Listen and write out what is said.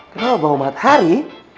kenal bau matahari